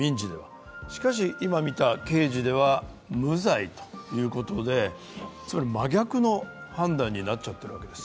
しかし、刑事では無罪ということでつまり真逆の判断になっちゃってるんです。